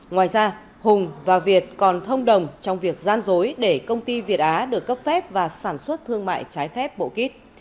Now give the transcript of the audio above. ngoài ra hùng và việt còn thông đồng trong việc gian dối để công ty việt á được cấp phép và sản xuất thương mại trái phép bộ kít